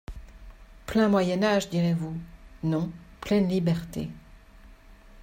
Plein moyen âge, direz-vous ; non, pleine liberté.